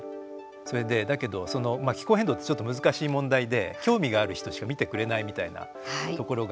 それで、だけど気候変動ってちょっと難しい問題で興味がある人しか見てくれないみたいなところが。